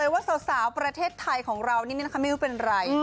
ว่าสาวประเทศไทยของเรานี้ไม่ว่าเป็นไร